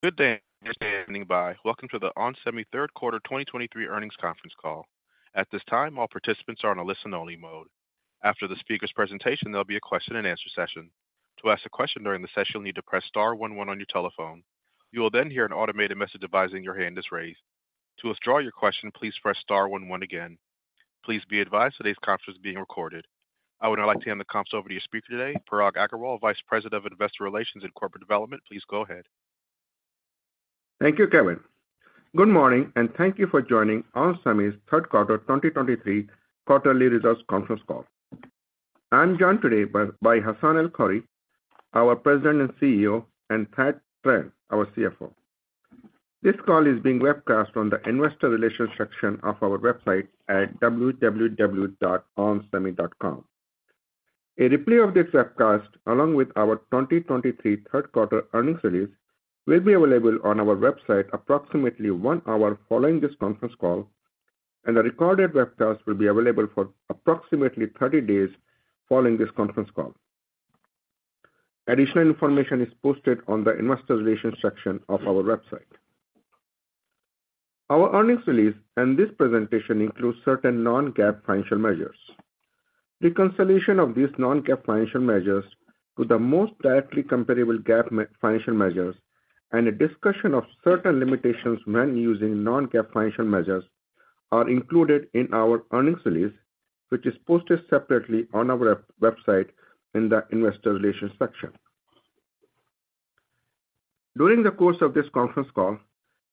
Good day, standing by. Welcome to the onsemi third quarter 2023 earnings conference call. At this time, all participants are on a listen-only mode. After the speaker's presentation, there'll be a question and answer session. To ask a question during the session, you'll need to press star one one on your telephone. You will then hear an automated message advising your hand is raised. To withdraw your question, please press star one one again. Please be advised, today's conference is being recorded. I would now like to hand the conference over to your speaker today, Parag Agarwal, Vice President of Investor Relations and Corporate Development. Please go ahead. Thank you, Kevin. Good morning, and thank you for joining onsemi's third quarter 2023 quarterly results conference call. I'm joined today by Hassane El-Khoury, our President and CEO, and Thad Trent, our CFO. This call is being webcast on the investor relations section of our website at www.onsemi.com. A replay of this webcast, along with our 2023 third quarter earnings release, will be available on our website approximately one hour following this conference call, and the recorded webcast will be available for approximately thirty days following this conference call. Additional information is posted on the investor relations section of our website. Our earnings release and this presentation includes certain non-GAAP financial measures. Reconciliation of these non-GAAP financial measures to the most directly comparable GAAP financial measures, and a discussion of certain limitations when using non-GAAP financial measures are included in our earnings release, which is posted separately on our website in the Investor Relations section. During the course of this conference call,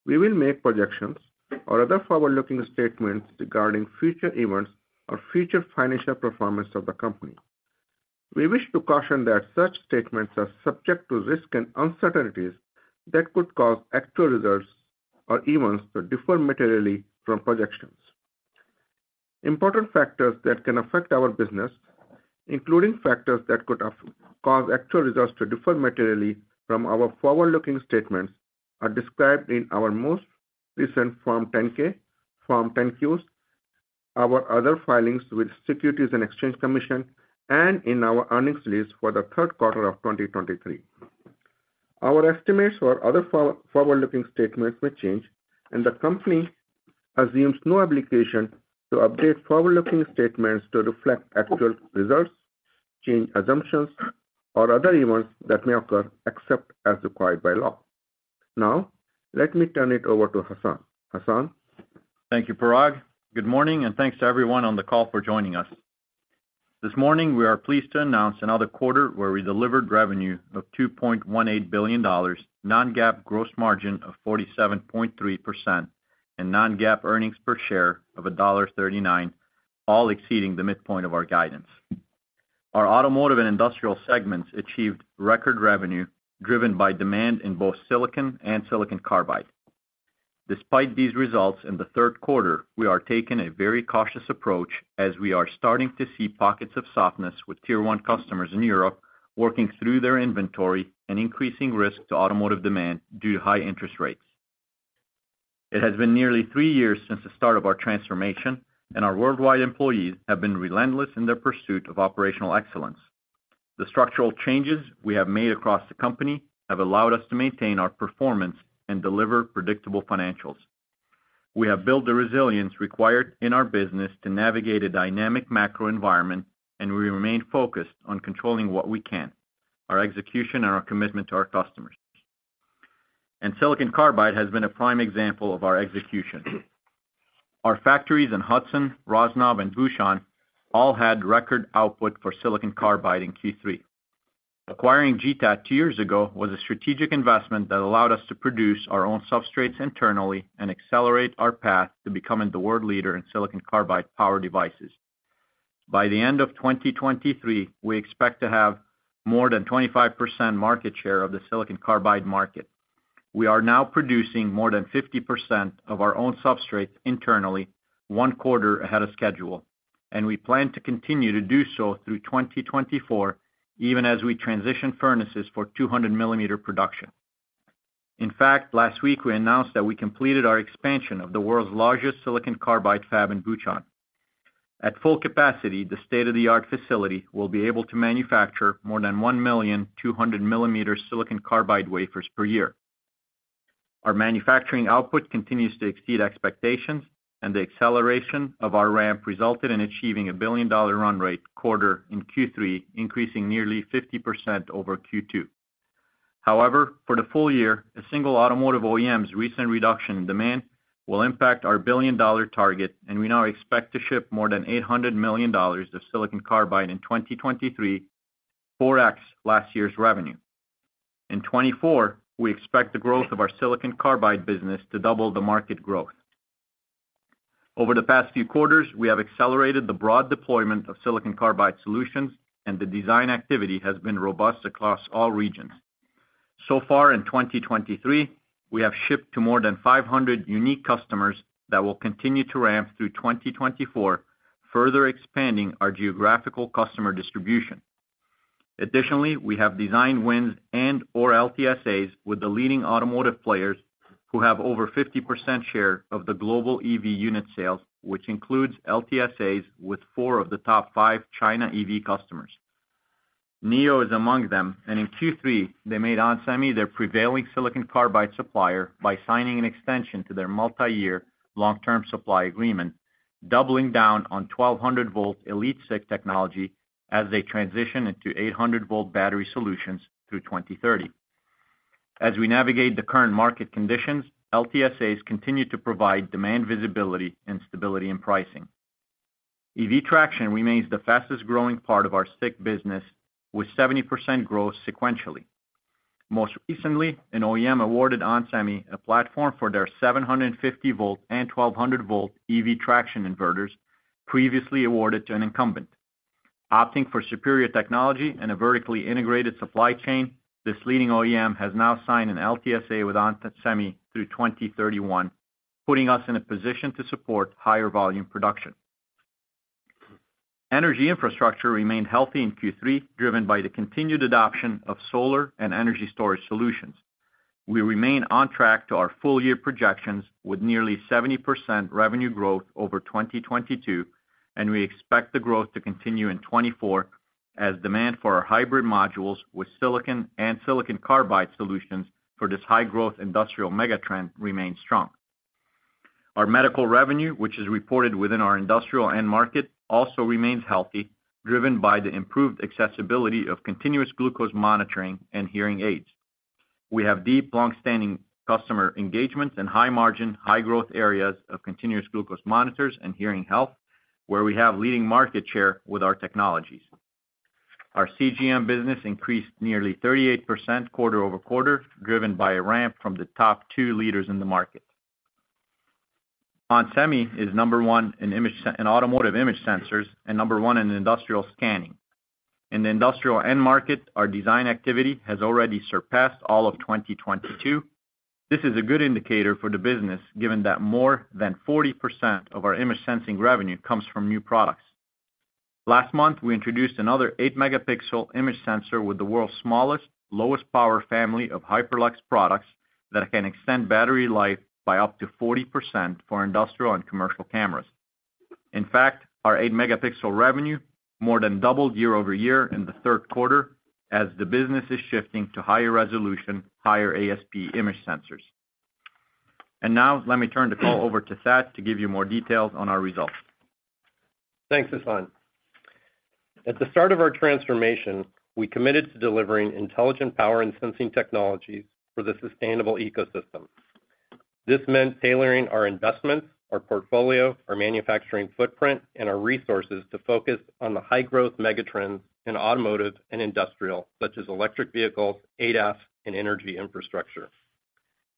we will make projections or other forward-looking statements regarding future events or future financial performance of the company. We wish to caution that such statements are subject to risks and uncertainties that could cause actual results or events to differ materially from projections. Important factors that can affect our business, including factors that could cause actual results to differ materially from our forward-looking statements, are described in our most recent Form 10-K, Form 10-Qs, our other filings with Securities and Exchange Commission, and in our earnings release for the third quarter of 2023. Our estimates or other forward-looking statements may change, and the company assumes no obligation to update forward-looking statements to reflect actual results, change assumptions, or other events that may occur, except as required by law. Now, let me turn it over to Hassane. Hassane? Thank you, Parag. Good morning, and thanks to everyone on the call for joining us. This morning, we are pleased to announce another quarter where we delivered revenue of $2.18 billion, non-GAAP gross margin of 47.3%, and non-GAAP earnings per share of $1.39, all exceeding the midpoint of our guidance. Our automotive and industrial segments achieved record revenue driven by demand in both silicon and silicon carbide. Despite these results in the third quarter, we are taking a very cautious approach as we are starting to see pockets of softness with Tier One customers in Europe, working through their inventory and increasing risk to automotive demand due to high interest rates. It has been nearly three years since the start of our transformation, and our worldwide employees have been relentless in their pursuit of operational excellence. The structural changes we have made across the company have allowed us to maintain our performance and deliver predictable financials. We have built the resilience required in our business to navigate a dynamic macro environment, and we remain focused on controlling what we can, our execution and our commitment to our customers. Silicon carbide has been a prime example of our execution. Our factories in Hudson, Roznov, and Bucheon all had record output for silicon carbide in Q3. Acquiring GTAT two years ago was a strategic investment that allowed us to produce our own substrates internally and accelerate our path to becoming the world leader in silicon carbide power devices. By the end of 2023, we expect to have more than 25% market share of the silicon carbide market. We are now producing more than 50% of our own substrates internally, one quarter ahead of schedule, and we plan to continue to do so through 2024, even as we transition furnaces for 200-millimeter production. In fact, last week we announced that we completed our expansion of the world's largest silicon carbide fab in Bucheon. At full capacity, the state-of-the-art facility will be able to manufacture more than 1 million 200-millimeter silicon carbide wafers per year. Our manufacturing output continues to exceed expectations, and the acceleration of our ramp resulted in achieving a billion-dollar run rate quarter in Q3, increasing nearly 50% over Q2. However, for the full year, a single automotive OEM's recent reduction in demand will impact our billion-dollar target, and we now expect to ship more than $800 million of silicon carbide in 2023, 4x last year's revenue. In 2024, we expect the growth of our silicon carbide business to double the market growth. Over the past few quarters, we have accelerated the broad deployment of silicon carbide solutions, and the design activity has been robust across all regions. So far in 2023, we have shipped to more than 500 unique customers that will continue to ramp through 2024, further expanding our geographical customer distribution. Additionally, we have design wins and/or LTSAs with the leading automotive players who have over 50% share of the global EV unit sales, which includes LTSAs with four of the top five China EV customers. NIO is among them, and in Q3, they made onsemi their prevailing silicon carbide supplier by signing an extension to their multi-year long-term supply agreement, doubling down on 1,200-volt EliteSiC technology as they transition into 800-volt battery solutions through 2030. As we navigate the current market conditions, LTSAs continue to provide demand visibility and stability in pricing. EV traction remains the fastest growing part of our SiC business, with 70% growth sequentially. Most recently, an OEM awarded onsemi a platform for their 750-volt and 1,200-volt EV traction inverters, previously awarded to an incumbent. Opting for superior technology and a vertically integrated supply chain, this leading OEM has now signed an LTSA with onsemi through 2031, putting us in a position to support higher volume production. Energy infrastructure remained healthy in Q3, driven by the continued adoption of solar and energy storage solutions. We remain on track to our full year projections with nearly 70% revenue growth over 2022, and we expect the growth to continue in 2024 as demand for our hybrid modules with silicon and silicon carbide solutions for this high growth industrial megatrend remains strong. Our medical revenue, which is reported within our industrial end market, also remains healthy, driven by the improved accessibility of continuous glucose monitoring and hearing aids. We have deep, long-standing customer engagements in high margin, high growth areas of continuous glucose monitors and hearing health, where we have leading market share with our technologies. Our CGM business increased nearly 38% quarter over quarter, driven by a ramp from the top two leaders in the market. onsemi is number one in automotive image sensors and number one in industrial scanning. In the industrial end market, our design activity has already surpassed all of 2022. This is a good indicator for the business, given that more than 40% of our image sensing revenue comes from new products. Last month, we introduced another 8-megapixel image sensor with the world's smallest, lowest power family of HyperLux products that can extend battery life by up to 40% for industrial and commercial cameras. In fact, our 8-megapixel revenue more than doubled year-over-year in the third quarter as the business is shifting to higher resolution, higher ASP image sensors. And now, let me turn the call over to Thad to give you more details on our results. Thanks, Hassane. At the start of our transformation, we committed to delivering intelligent power and sensing technologies for the sustainable ecosystem. This meant tailoring our investments, our portfolio, our manufacturing footprint, and our resources to focus on the high growth megatrends in automotive and industrial, such as electric vehicles, ADAS, and energy infrastructure.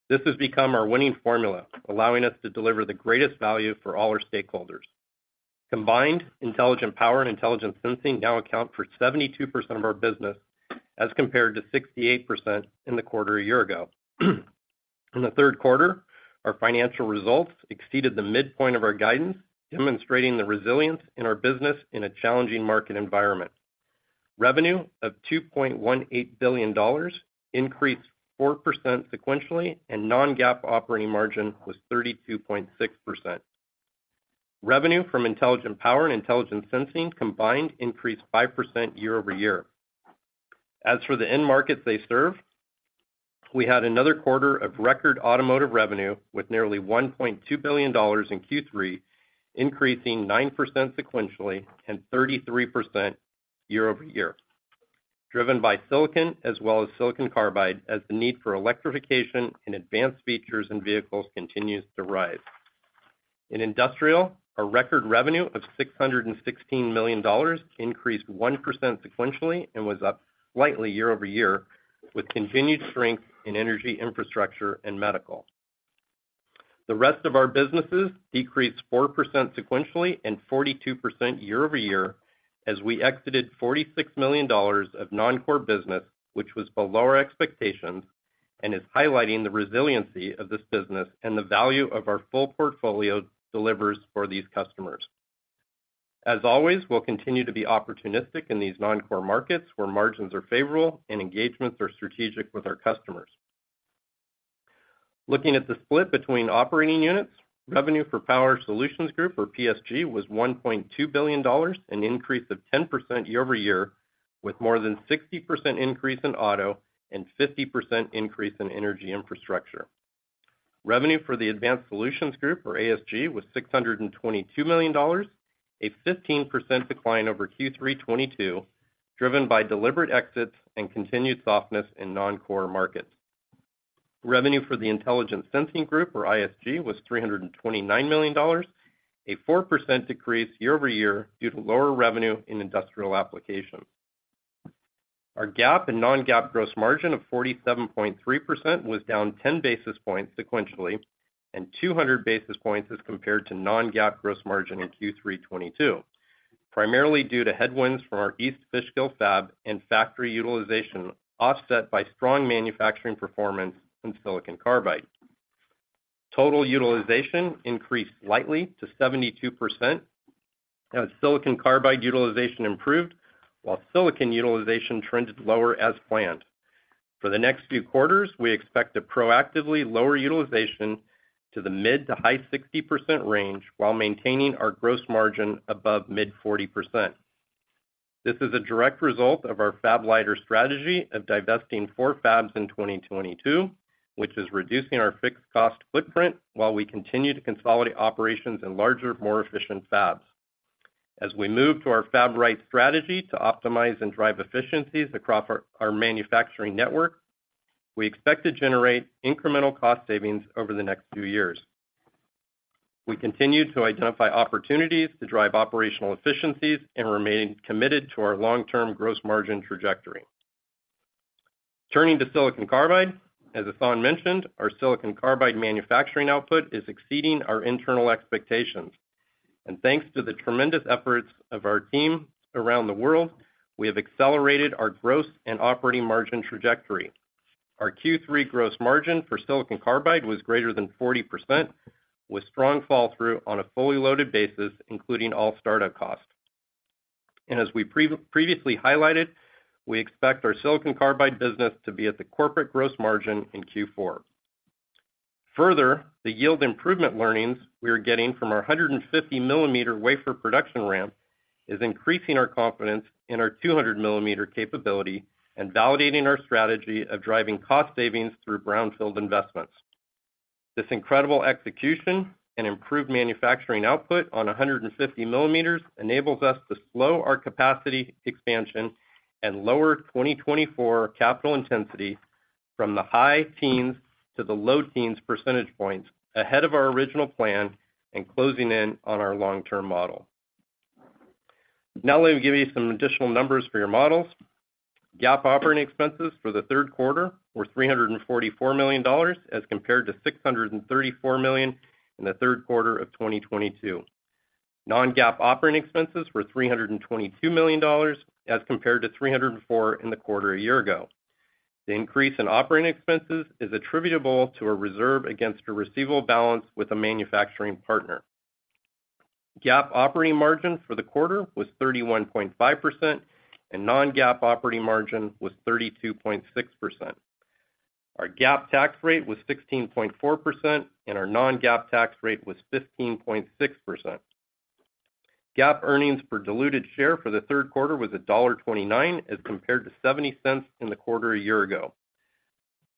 This has become our winning formula, allowing us to deliver the greatest value for all our stakeholders. Combined, intelligent power and intelligent sensing now account for 72% of our business, as compared to 68% in the quarter a year ago. In the third quarter, our financial results exceeded the midpoint of our guidance, demonstrating the resilience in our business in a challenging market environment. Revenue of $2.18 billion increased 4% sequentially, and non-GAAP operating margin was 32.6%. Revenue from intelligent power and intelligent sensing combined increased 5% year-over-year. As for the end markets they serve, we had another quarter of record automotive revenue with nearly $1.2 billion in Q3, increasing 9% sequentially and 33% year-over-year, driven by silicon as well as silicon carbide, as the need for electrification and advanced features in vehicles continues to rise. In industrial, our record revenue of $616 million increased 1% sequentially and was up slightly year-over-year, with continued strength in energy infrastructure and medical. The rest of our businesses decreased 4% sequentially and 42% year-over-year as we exited $46 million of non-core business, which was below our expectations and is highlighting the resiliency of this business and the value of our full portfolio delivers for these customers. As always, we'll continue to be opportunistic in these non-core markets, where margins are favorable and engagements are strategic with our customers. Looking at the split between operating units, revenue for Power Solutions Group, or PSG, was $1.2 billion, an increase of 10% year-over-year, with more than 60% increase in auto and 50% increase in energy infrastructure. Revenue for the Advanced Solutions Group, or ASG, was $622 million, a 15% decline over Q3 2022, driven by deliberate exits and continued softness in non-core markets. Revenue for the Intelligent Sensing Group, or ISG, was $329 million, a 4% decrease year-over-year due to lower revenue in industrial application. Our GAAP and non-GAAP gross margin of 47.3% was down 10 basis points sequentially and 200 basis points as compared to non-GAAP gross margin in Q3 2022, primarily due to headwinds from our East Fishkill fab and factory utilization, offset by strong manufacturing performance in silicon carbide. Total utilization increased slightly to 72% as silicon carbide utilization improved, while silicon utilization trended lower as planned. For the next few quarters, we expect to proactively lower utilization to the mid- to high-60% range, while maintaining our gross margin above mid-40%. This is a direct result of our fab-lighter strategy of divesting four fabs in 2022, which is reducing our fixed cost footprint while we continue to consolidate operations in larger, more efficient fabs. As we move to our fab-right strategy to optimize and drive efficiencies across our manufacturing network, we expect to generate incremental cost savings over the next few years. We continue to identify opportunities to drive operational efficiencies and remain committed to our long-term gross margin trajectory. Turning to silicon carbide. As Hassane mentioned, our silicon carbide manufacturing output is exceeding our internal expectations. And thanks to the tremendous efforts of our team around the world, we have accelerated our gross and operating margin trajectory. Our Q3 gross margin for silicon carbide was greater than 40%, with strong fall-through on a fully loaded basis, including all startup costs. And as we previously highlighted, we expect our silicon carbide business to be at the corporate gross margin in Q4. Further, the yield improvement learnings we are getting from our 150-millimeter wafer production ramp is increasing our confidence in our 200-millimeter capability and validating our strategy of driving cost savings through brownfield investments. This incredible execution and improved manufacturing output on a 150 millimeters enables us to slow our capacity expansion and lower 2024 capital intensity from the high teens to the low teens percentage points, ahead of our original plan and closing in on our long-term model. Now, let me give you some additional numbers for your models. GAAP operating expenses for the third quarter were $344 million, as compared to $634 million in the third quarter of 2022. Non-GAAP operating expenses were $322 million, as compared to $304 million in the quarter a year ago. The increase in operating expenses is attributable to a reserve against a receivable balance with a manufacturing partner. GAAP operating margin for the quarter was 31.5%, and non-GAAP operating margin was 32.6%. Our GAAP tax rate was 16.4%, and our non-GAAP tax rate was 15.6%. GAAP earnings per diluted share for the third quarter was $1.29, as compared to $0.70 in the quarter a year ago.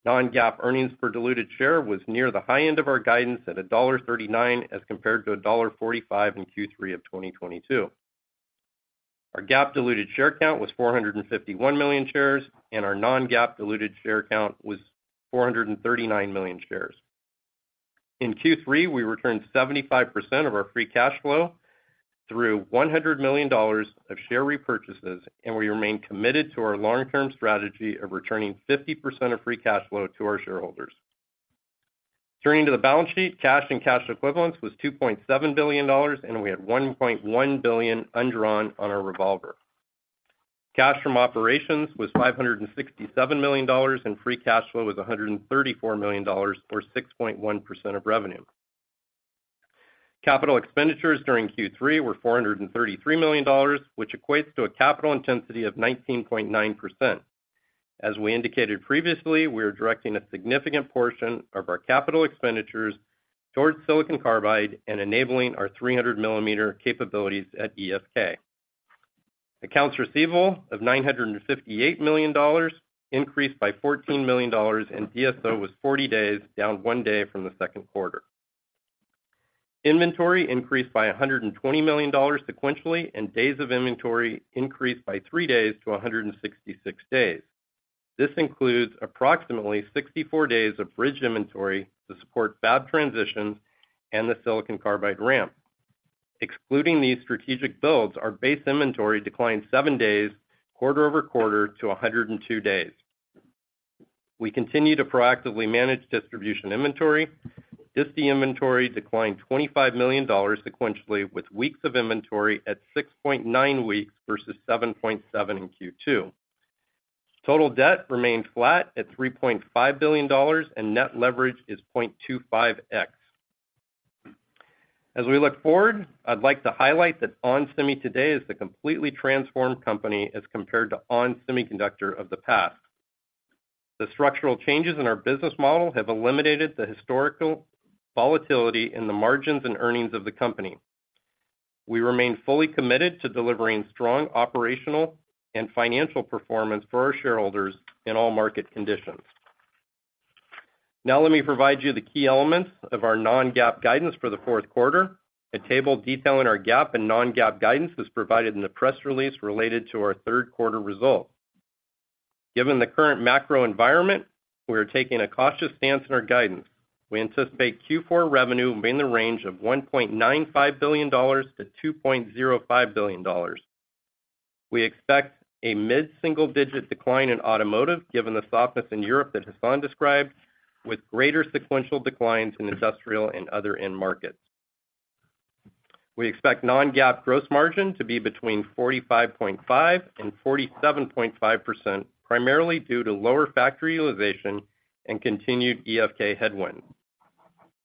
Non-GAAP earnings per diluted share was near the high end of our guidance at $1.39, as compared to $1.45 in Q3 of 2022. Our GAAP diluted share count was 451 million shares, and our non-GAAP diluted share count was 439 million shares. In Q3, we returned 75% of our free cash flow through $100 million of share repurchases, and we remain committed to our long-term strategy of returning 50% of free cash flow to our shareholders. Turning to the balance sheet, cash and cash equivalents was $2.7 billion, and we had $1.1 billion undrawn on our revolver. Cash from operations was $567 million, and free cash flow was $134 million, or 6.1% of revenue. Capital expenditures during Q3 were $433 million, which equates to a capital intensity of 19.9%. As we indicated previously, we are directing a significant portion of our capital expenditures towards silicon carbide and enabling our 300 millimeter capabilities at EFK. Accounts receivable of $958 million increased by $14 million, and DSO was 40 days, down one day from the second quarter. Inventory increased by $120 million sequentially, and days of inventory increased by three days to 166 days. This includes approximately 64 days of bridge inventory to support fab transitions and the silicon carbide ramp. Excluding these strategic builds, our base inventory declined seven days quarter-over-quarter to 102 days. We continue to proactively manage distribution inventory. DSI inventory declined $25 million sequentially, with weeks of inventory at 6.9 weeks versus 7.7 in Q2. Total debt remained flat at $3.5 billion, and net leverage is 0.25x. As we look forward, I'd like to highlight that onsemi today is a completely transformed company as compared to onsemi of the past. The structural changes in our business model have eliminated the historical volatility in the margins and earnings of the company. We remain fully committed to delivering strong operational and financial performance for our shareholders in all market conditions. Now, let me provide you the key elements of our non-GAAP guidance for the fourth quarter. A table detailing our GAAP and non-GAAP guidance is provided in the press release related to our third quarter results. Given the current macro environment, we are taking a cautious stance in our guidance. We anticipate Q4 revenue will be in the range of $1.95 billion-$2.05 billion. We expect a mid-single-digit decline in automotive, given the softness in Europe that Hassane described, with greater sequential declines in industrial and other end markets. We expect non-GAAP gross margin to be between 45.5% and 47.5%, primarily due to lower factory utilization and continued EFK headwinds.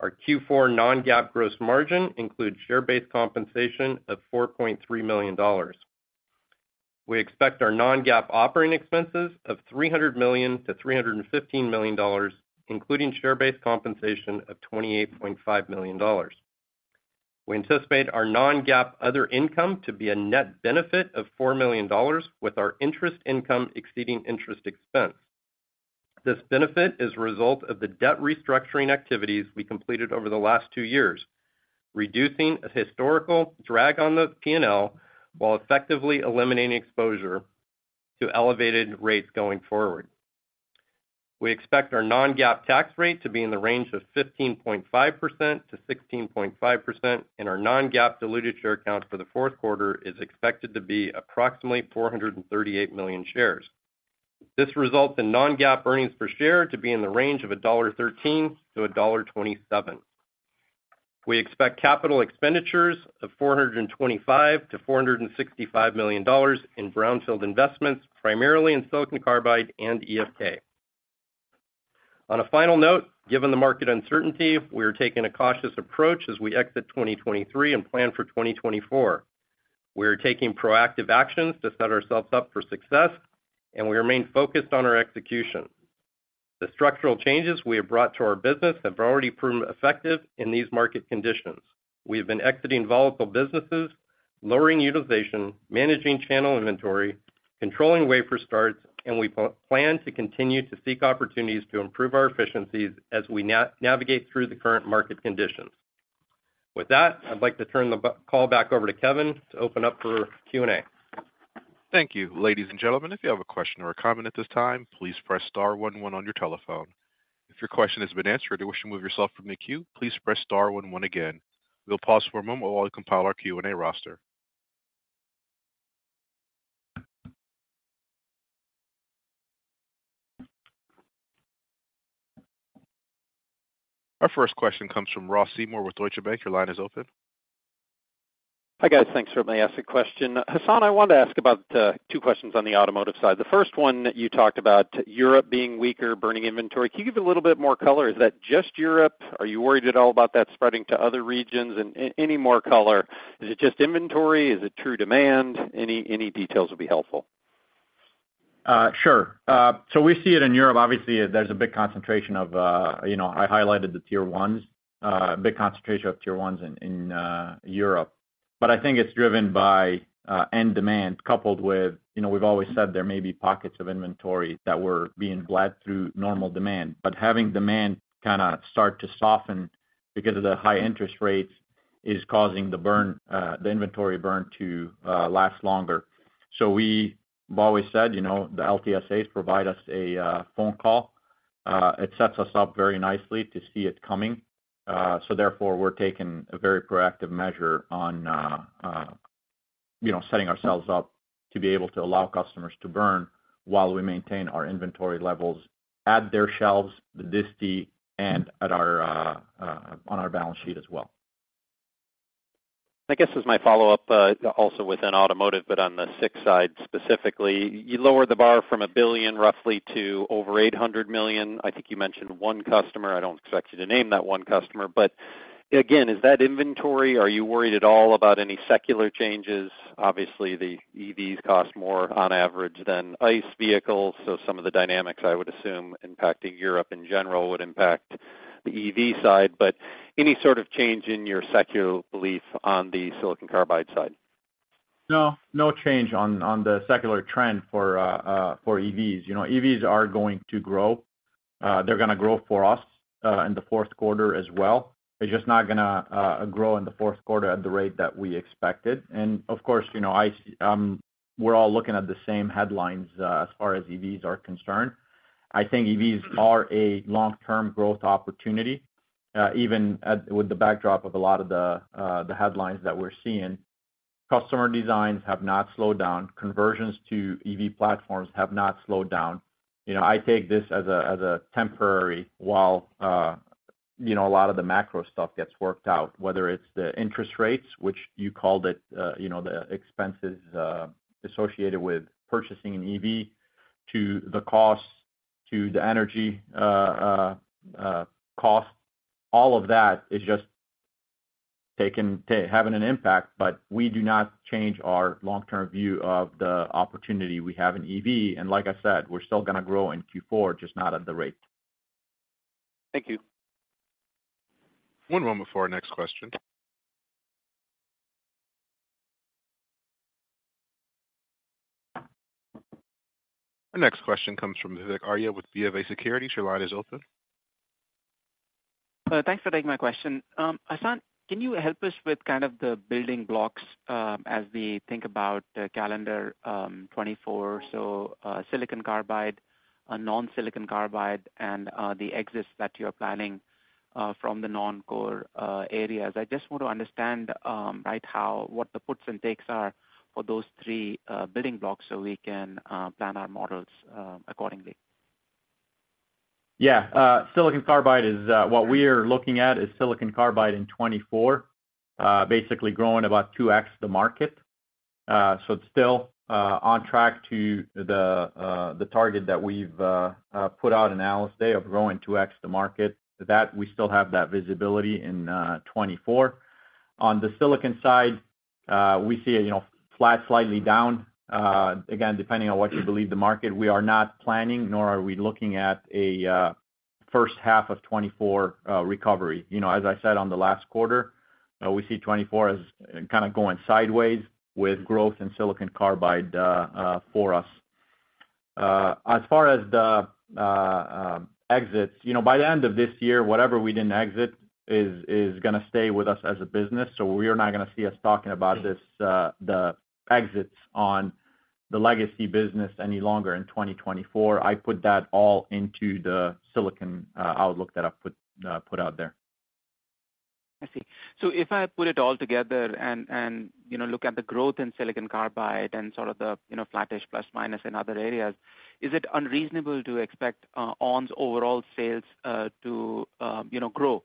Our Q4 non-GAAP gross margin includes share-based compensation of $4.3 million. We expect our non-GAAP operating expenses of $300 million-$315 million, including share-based compensation of $28.5 million. We anticipate our non-GAAP other income to be a net benefit of $4 million, with our interest income exceeding interest expense. This benefit is a result of the debt restructuring activities we completed over the last two years, reducing a historical drag on the P&L while effectively eliminating exposure to elevated rates going forward. We expect our non-GAAP tax rate to be in the range of 15.5%-16.5%, and our non-GAAP diluted share count for the fourth quarter is expected to be approximately 438 million shares. This results in non-GAAP earnings per share to be in the range of $1.13-$1.27. We expect capital expenditures of $425 million-$465 million in brownfield investments, primarily in silicon carbide and EFK. On a final note, given the market uncertainty, we are taking a cautious approach as we exit 2023 and plan for 2024. We are taking proactive actions to set ourselves up for success, and we remain focused on our execution. The structural changes we have brought to our business have already proven effective in these market conditions. We have been exiting volatile businesses, lowering utilization, managing channel inventory, controlling wafer starts, and we plan to continue to seek opportunities to improve our efficiencies as we navigate through the current market conditions. With that, I'd like to turn the call back over to Kevin to open up for Q&A. Thank you. Ladies and gentlemen, if you have a question or a comment at this time, please press star one one on your telephone. If your question has been answered, or you wish to remove yourself from the queue, please press star one one again. We'll pause for a moment while we compile our Q&A roster. Our first question comes from Ross Seymore with Deutsche Bank. Your line is open. Hi, guys. Thanks for letting me ask a question. Hassane, I wanted to ask about two questions on the automotive side. The first one, you talked about Europe being weaker, burning inventory. Can you give a little bit more color? Is that just Europe? Are you worried at all about that spreading to other regions? And any more color, is it just inventory? Is it true demand? Any details would be helpful. Sure. So we see it in Europe. Obviously, there's a big concentration of, you know, I highlighted the Tier ones, big concentration of Tier ones in Europe. But I think it's driven by end demand, coupled with, you know, we've always said there may be pockets of inventory that were being built through normal demand. But having demand kind of start to soften because of the high interest rates is causing the burn, the inventory burn to last longer. So we've always said, you know, the LTSAs provide us a phone call. It sets us up very nicely to see it coming, so therefore, we're taking a very proactive measure on, you know, setting ourselves up to be able to allow customers to burn while we maintain our inventory levels at their shelves, the disty, and at our, on our balance sheet as well. I guess as my follow-up, also within automotive, but on the SiC side specifically, you lowered the bar from $1 billion roughly to over $800 million. I think you mentioned one customer. I don't expect you to name that one customer, but again, is that inventory? Are you worried at all about any secular changes? Obviously, the EVs cost more on average than ICE vehicles, so some of the dynamics, I would assume, impacting Europe in general would impact the EV side. But any sort of change in your secular belief on the silicon carbide side? No, no change on, on the secular trend for, for EVs. You know, EVs are going to grow. They're gonna grow for us, in the fourth quarter as well. They're just not gonna, grow in the fourth quarter at the rate that we expected. And of course, you know, I, we're all looking at the same headlines, as far as EVs are concerned. I think EVs are a long-term growth opportunity, even with the backdrop of a lot of the, the headlines that we're seeing. Customer designs have not slowed down. Conversions to EV platforms have not slowed down. You know, I take this as a, as a temporary, while, you know, a lot of the macro stuff gets worked out, whether it's the interest rates, which you called it, you know, the expenses, associated with purchasing an EV, to the costs, to the energy, cost. All of that is just taking, having an impact, but we do not change our long-term view of the opportunity we have in EV. And like I said, we're still gonna grow in Q4, just not at the rate. Thank you. One moment before our next question. Our next question comes from Vivek Arya with BofA Securities. Your line is open. Thanks for taking my question. Hassane, can you help us with kind of the building blocks, as we think about the calendar, 2024? So, silicon carbide, non-silicon carbide, and the exits that you're planning from the non-core areas. I just want to understand, right, how—what the puts and takes are for those three building blocks, so we can plan our models accordingly. Yeah, silicon carbide is what we are looking at is silicon carbide in 2024, basically growing about 2x the market. So it's still on track to the target that we've put out in Analyst Day of growing 2x the market, that we still have that visibility in 2024. On the silicon side, we see a, you know, flat, slightly down, again, depending on what you believe the market. We are not planning nor are we looking at a first half of 2024 recovery. You know, as I said on the last quarter, we see 2024 as kind of going sideways with growth in silicon carbide for us. As far as the exits, you know, by the end of this year, whatever we didn't exit is gonna stay with us as a business, so we are not gonna see us talking about this, the exits on the legacy business any longer in 2024. I put that all into the silicon outlook that I put out there. I see. So if I put it all together and you know, look at the growth in silicon carbide and sort of the, you know, flattish plus minus in other areas, is it unreasonable to expect ON's overall sales to you know, grow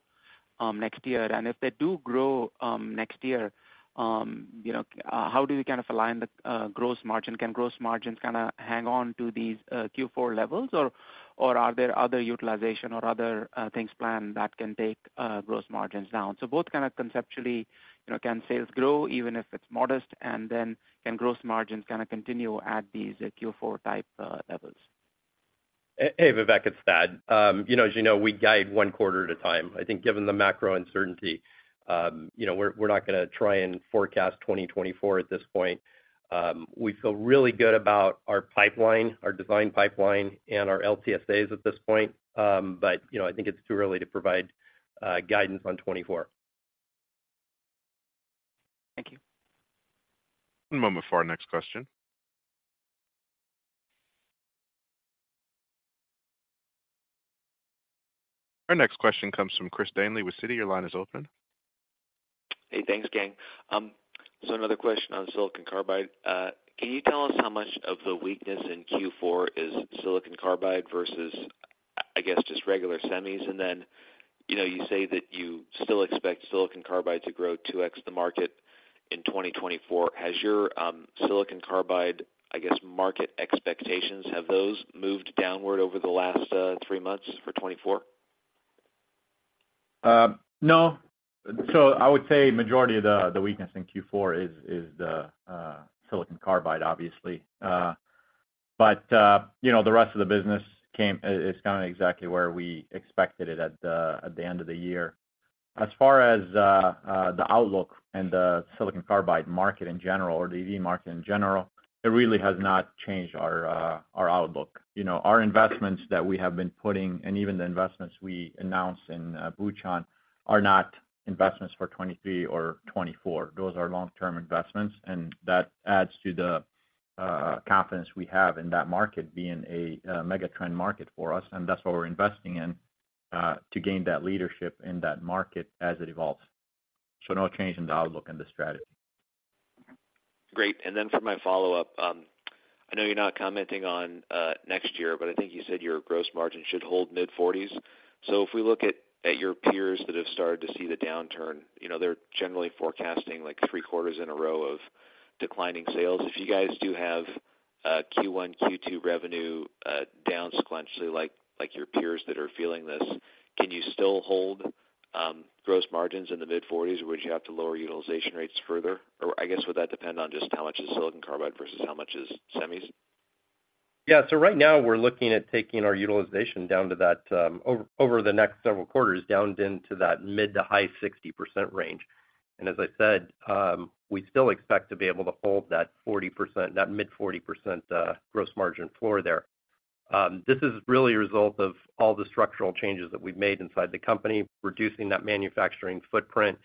next year? And if they do grow next year, you know, how do you kind of align the gross margin? Can gross margins kind of hang on to these Q4 levels, or are there other utilization or other things planned that can take gross margins down? So both kind of conceptually, you know, can sales grow even if it's modest, and then can gross margins kind of continue at these Q4 type levels? Hey, Vivek, it's Thad. You know, as you know, we guide one quarter at a time. I think given the macro uncertainty, you know, we're not gonna try and forecast 2024 at this point. We feel really good about our pipeline, our design pipeline and our LTSAs at this point. But, you know, I think it's too early to provide guidance on 2024. Thank you. One moment for our next question. Our next question comes from Christopher Danely with Citi. Your line is open. Hey, thanks, gang. So another question on silicon carbide. Can you tell us how much of the weakness in Q4 is silicon carbide versus, I guess, just regular semis? And then, you know, you say that you still expect silicon carbide to grow 2x the market in 2024. Has your silicon carbide, I guess, market expectations, have those moved downward over the last three months for 2024? No. So I would say majority of the weakness in Q4 is the silicon carbide, obviously. But you know, the rest of the business is kind of exactly where we expected it at the end of the year. As far as the outlook and the silicon carbide market in general, or the EV market in general, it really has not changed our outlook. You know, our investments that we have been putting, and even the investments we announced in Bucheon, are not investments for 2023 or 2024. Those are long-term investments, and that adds to the confidence we have in that market being a mega trend market for us, and that's what we're investing in to gain that leadership in that market as it evolves. No change in the outlook and the strategy. Great. And then for my follow-up, I know you're not commenting on next year, but I think you said your gross margin should hold mid-40s%. So if we look at your peers that have started to see the downturn, you know, they're generally forecasting like 3 quarters in a row of declining sales. If you guys do have Q1, Q2 revenue down sequentially, like your peers that are feeling this, can you still hold gross margins in the mid-40s%, or would you have to lower utilization rates further? Or I guess, would that depend on just how much is silicon carbide versus how much is semis? Yeah. So right now we're looking at taking our utilization down to that, over the next several quarters, down into that mid- to high-60% range. And as I said, we still expect to be able to hold that 40%, that mid-40%, gross margin floor there. This is really a result of all the structural changes that we've made inside the company, reducing that manufacturing footprint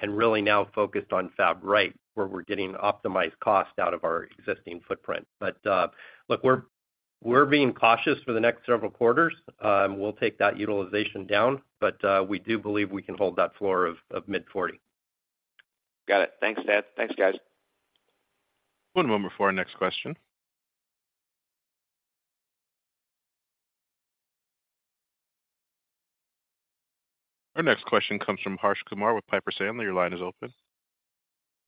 and really now focused on fab, right, where we're getting optimized cost out of our existing footprint. But look, we're being cautious for the next several quarters. We'll take that utilization down, but we do believe we can hold that floor of mid-40%. Got it. Thanks, Thad. Thanks, guys. One moment for our next question. Our next question comes from Harsh Kumar with Piper Sandler. Your line is open.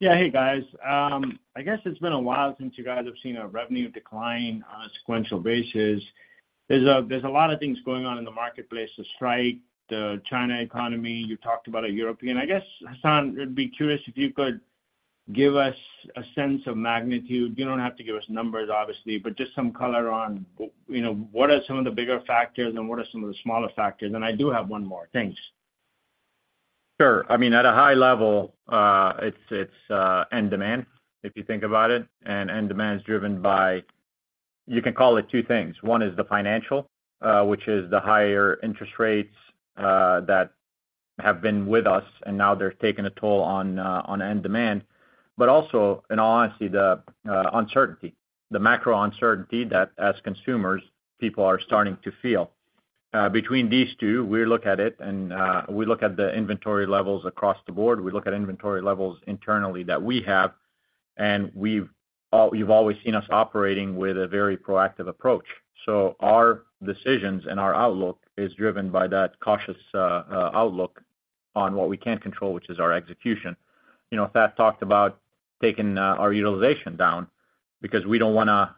Yeah. Hey, guys. I guess it's been a while since you guys have seen a revenue decline on a sequential basis. There's a lot of things going on in the marketplace, the strike, the China economy. You talked about a European. I guess, Hassane, I'd be curious if you could give us a sense of magnitude. You don't have to give us numbers, obviously, but just some color on, you know, what are some of the bigger factors and what are some of the smaller factors? I do have one more. Thanks. Sure. I mean, at a high level, it's, it's end demand, if you think about it, and end demand is driven by... You can call it two things. One is the financial, which is the higher interest rates that have been with us, and now they're taking a toll on, on end demand. But also, in all honesty, the, uncertainty, the macro uncertainty that as consumers, people are starting to feel. Between these two, we look at it and, we look at the inventory levels across the board. We look at inventory levels internally that we have, and you've always seen us operating with a very proactive approach. So our decisions and our outlook is driven by that cautious, outlook on what we can control, which is our execution. You know, Thad talked about taking our utilization down because we don't wanna,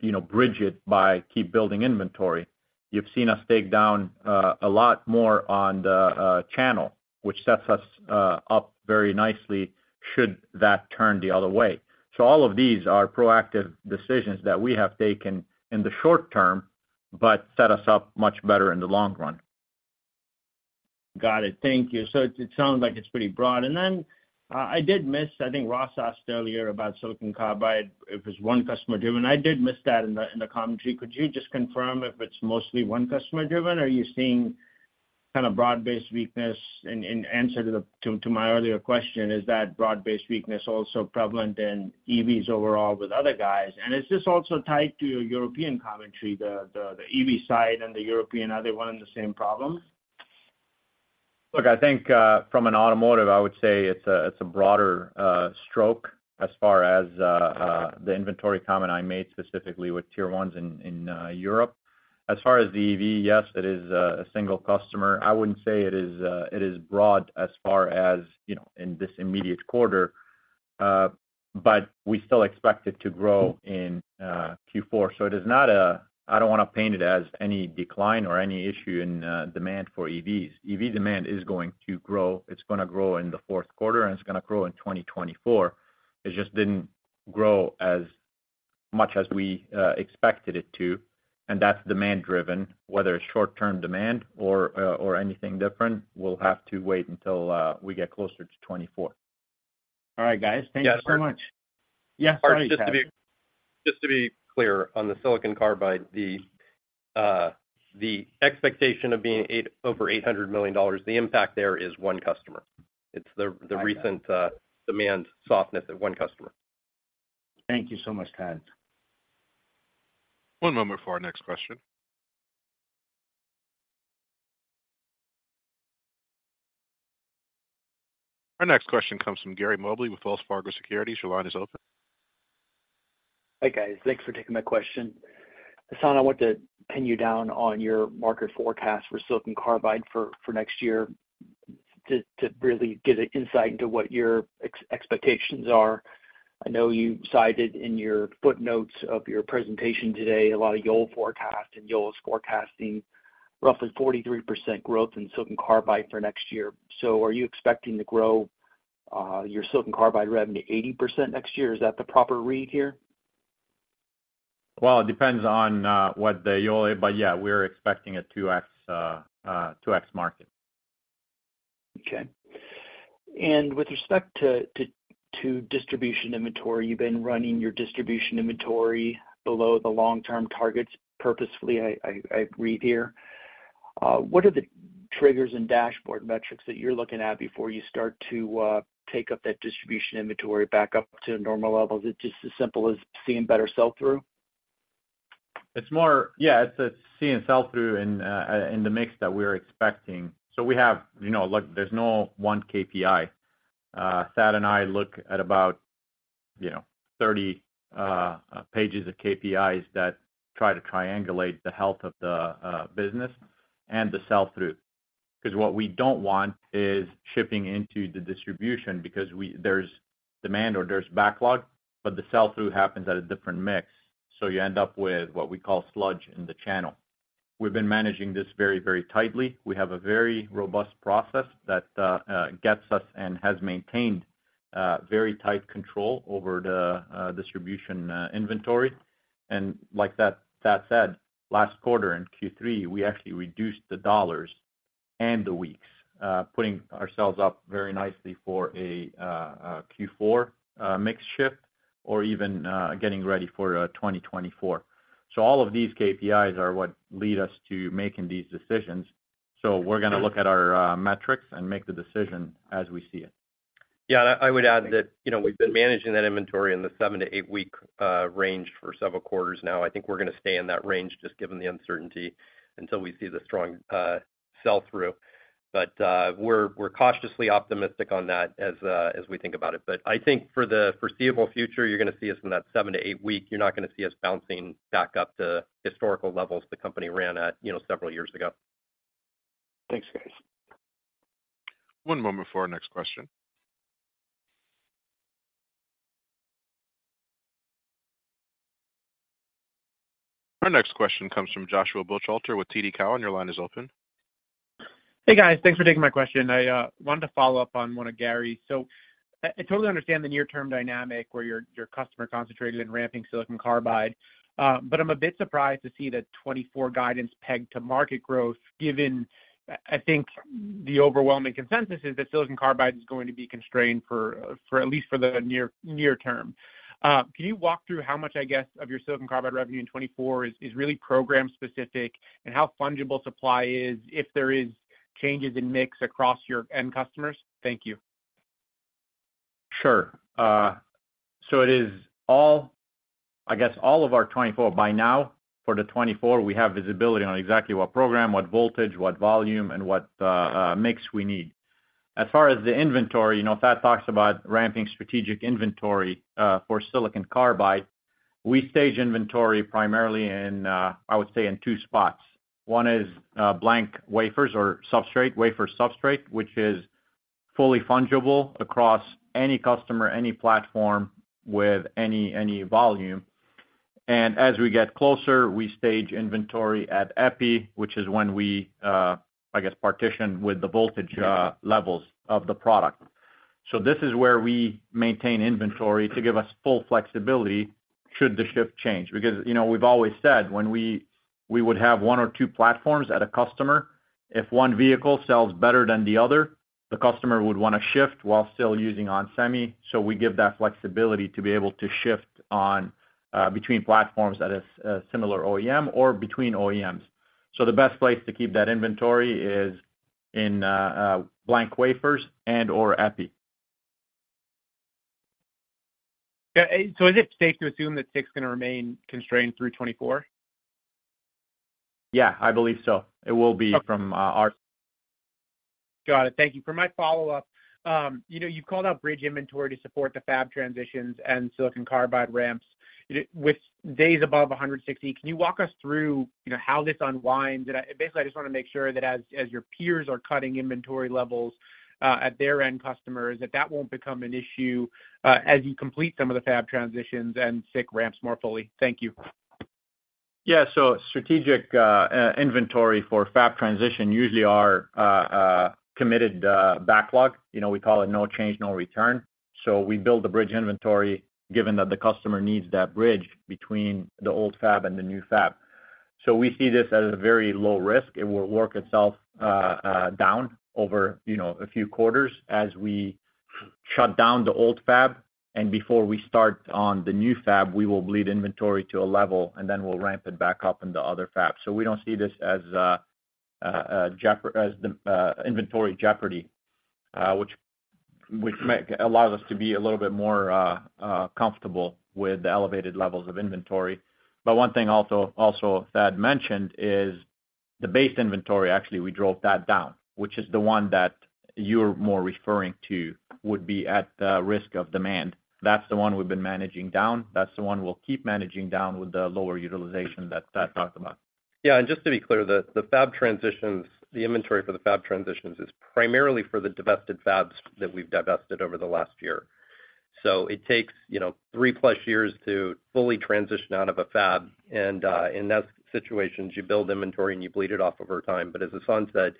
you know, bridge it by keep building inventory. You've seen us take down a lot more on the channel, which sets us up very nicely should that turn the other way. So all of these are proactive decisions that we have taken in the short term, but set us up much better in the long run. Got it. Thank you. So it sounds like it's pretty broad. And then, I did miss, I think Ross asked earlier about silicon carbide, if it's one customer-driven. I did miss that in the commentary. Could you just confirm if it's mostly one customer-driven, or are you seeing kind of broad-based weakness? And answer to my earlier question, is that broad-based weakness also prevalent in EVs overall with other guys? And is this also tied to your European commentary, the EV side and the European, are they one and the same problem? Look, I think, from an automotive, I would say it's a, it's a broader stroke as far as, the inventory comment I made, specifically with Tier 1s in, in, Europe. As far as the EV, yes, it is a, a single customer. I wouldn't say it is, it is broad as far as, you know, in this immediate quarter, but we still expect it to grow in, Q4. So it is not a I don't wanna paint it as any decline or any issue in, demand for EVs. EV demand is going to grow. It's gonna grow in the fourth quarter, and it's gonna grow in 2024. It just didn't grow as much as we expected it to, and that's demand driven, whether it's short-term demand or anything different. We'll have to wait until we get closer to 2024. All right, guys. Thank you so much. Yes, sir. Yeah, sorry, Thad. Just to be, just to be clear, on the silicon carbide, the expectation of being over $800 million, the impact there is one customer. It's the recent demand softness of one customer. Thank you so much, Thad. One moment for our next question. Our next question comes from Gary Mobley with Wells Fargo Securities. Your line is open. Hi, guys. Thanks for taking my question. Hassane, I want to pin you down on your market forecast for silicon carbide for next year to really get an insight into what your expectations are. I know you cited in your footnotes of your presentation today a lot of Yole forecast, and Yole is forecasting roughly 43% growth in silicon carbide for next year. So are you expecting to grow your silicon carbide revenue 80% next year? Is that the proper read here? Well, it depends on what the Yole... But yeah, we're expecting a 2x market. Okay. And with respect to distribution inventory, you've been running your distribution inventory below the long-term targets purposefully, I read here. What are the triggers and dashboard metrics that you're looking at before you start to take up that distribution inventory back up to normal levels? Is it just as simple as seeing better sell-through? It's more, yeah, it's seeing sell-through in the mix that we're expecting. So we have, you know, look, there's no one KPI. Thad and I look at about, you know, 30 pages of KPIs that try to triangulate the health of the business and the sell-through. 'Cause what we don't want is shipping into the distribution because there's demand or there's backlog, but the sell-through happens at a different mix, so you end up with what we call sludge in the channel. We've been managing this very, very tightly. We have a very robust process that gets us and has maintained very tight control over the distribution inventory. Like that, Thad said, last quarter in Q3, we actually reduced the dollars and the weeks, putting ourselves up very nicely for a Q4 mix shift or even getting ready for 2024. All of these KPIs are what lead us to making these decisions. We're gonna look at our metrics and make the decision as we see it. Yeah, I would add that, you know, we've been managing that inventory in the seven to eight-week range for several quarters now. I think we're gonna stay in that range, just given the uncertainty, until we see the strong sell-through. But we're cautiously optimistic on that as we think about it. But I think for the foreseeable future, you're gonna see us in that seven to eight week. You're not gonna see us bouncing back up to historical levels the company ran at, you know, several years ago. Thanks, guys. One moment for our next question. Our next question comes from Joshua Buchalter with TD Cowen. Your line is open. Hey, guys. Thanks for taking my question. I wanted to follow up on one of Gary's. So I totally understand the near-term dynamic where your customer concentrated in ramping silicon carbide, but I'm a bit surprised to see the 2024 guidance pegged to market growth, given, I think, the overwhelming consensus is that silicon carbide is going to be constrained for at least for the near term. Can you walk through how much, I guess, of your silicon carbide revenue in 2024 is really program specific, and how fungible supply is, if there is changes in mix across your end customers? Thank you. Sure. So it is all I guess, all of our 2024, by now, for the 2024, we have visibility on exactly what program, what voltage, what volume, and what mix we need. As far as the inventory, you know, Thad talks about ramping strategic inventory for silicon carbide. We stage inventory primarily in, I would say, in two spots. One is blank wafers or substrate, wafer substrate, which is fully fungible across any customer, any platform with any volume. And as we get closer, we stage inventory at epi, which is when we, I guess, partition with the voltage levels of the product. So this is where we maintain inventory to give us full flexibility should the shift change. Because, you know, we've always said when we, we would have one or two platforms at a customer, if one vehicle sells better than the other, the customer would want to shift while still using onsemi. So we give that flexibility to be able to shift on, between platforms at a, a similar OEM or between OEMs. So the best place to keep that inventory is in, blank wafers and or epi. Yeah. So is it safe to assume that SiC is going to remain constrained through 2024? Yeah, I believe so. It will be from, our- Got it. Thank you. For my follow-up, you know, you've called out bridge inventory to support the fab transitions and silicon carbide ramps. With days above 160, can you walk us through, you know, how this unwinds? And basically, I just want to make sure that as your peers are cutting inventory levels at their end customers, that that won't become an issue as you complete some of the fab transitions and SiC ramps more fully. Thank you. Yeah. So strategic inventory for fab transition usually are committed backlog. You know, we call it Non-Cancelable, Non-Returnable. So we build the bridge inventory, given that the customer needs that bridge between the old fab and the new fab. So we see this as a very low risk. It will work itself down over, you know, a few quarters as we shut down the old fab, and before we start on the new fab, we will bleed inventory to a level, and then we'll ramp it back up in the other fab. So we don't see this as a as the inventory jeopardy, which allows us to be a little bit more comfortable with the elevated levels of inventory. But one thing also Thad mentioned is the base inventory. Actually, we drove that down, which is the one that you're more referring to, would be at the risk of demand. That's the one we've been managing down. That's the one we'll keep managing down with the lower utilization that Thad talked about. Yeah, and just to be clear, the fab transitions, the inventory for the fab transitions is primarily for the divested fabs that we've divested over the last year. So it takes, you know, three plus years to fully transition out of a fab, and in that situations, you build inventory and you bleed it off over time. But as Hassane said,